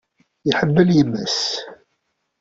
Iḥemmel yemma-s.